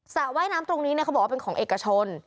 ระว่ายน้ำตรงนี้เขาบอกว่าเป็นของเอกชน